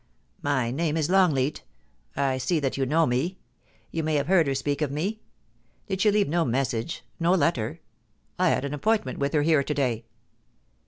My name is Longleat I see that you know me. You may have heard her speak of me. Did she leave no mes sage — no letter? I had an appointment with her here to day.'